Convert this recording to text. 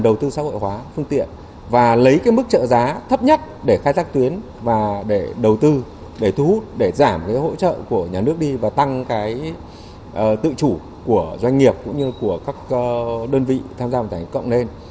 các doanh nghiệp cần đầu tư xã hội hóa phương tiện và lấy mức trợ giá thấp nhất để khai thác tuyến và để đầu tư để thu hút để giảm hỗ trợ của nhà nước đi và tăng tự chủ của doanh nghiệp cũng như các đơn vị tham gia một thành công lên